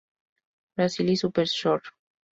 Brasil y Super Shore.